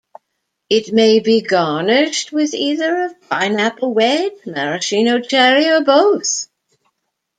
It may be garnished with either a pineapple wedge, maraschino cherry, or both.